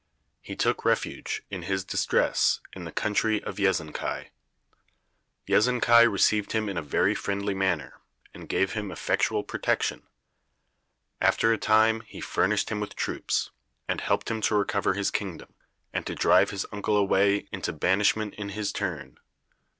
He took refuge, in his distress, in the country of Yezonkai. Yezonkai received him in a very friendly manner, and gave him effectual protection. After a time he furnished him with troops, and helped him to recover his kingdom, and to drive his uncle away into banishment in his turn.